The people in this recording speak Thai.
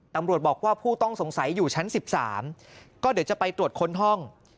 ตำรวจบอกว่าผู้ต้องสงสัยอยู่ชั้น๑๓ก็เดี๋ยวจะไปตรวจค้นห้อง